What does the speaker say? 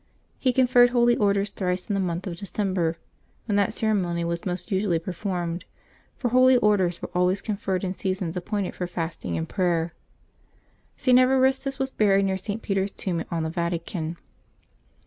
He conferred holy orders thrice in the month of December, when that ceremony was most usually performed, for holy orders were always conferred in seasons appointed for fasting and prayer. St. Evaristus was buried near St. Peter's tomb on the Vatican.